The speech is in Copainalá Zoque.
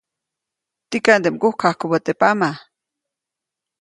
Tikaʼnde mgukjajkubä teʼ pama.